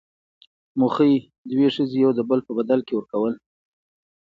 موخۍ، دوې ښځي يو دبل په بدل کي ورکول.